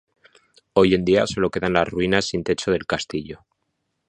Hoy en día, sólo quedan las ruinas sin techo del castillo.